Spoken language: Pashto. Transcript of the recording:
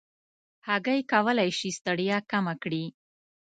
هګۍ کولی شي ستړیا کمه کړي.